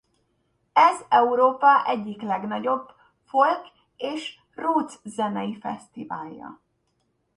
Ez Európa egyik legnagyobb folk- és roots-zenei fesztiválja.